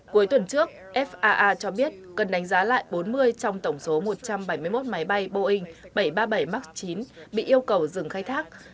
cuối tuần trước faa cho biết cần đánh giá lại bốn mươi trong tổng số một trăm bảy mươi một máy bay boeing bảy trăm ba mươi bảy max chín bị yêu cầu dừng khai thác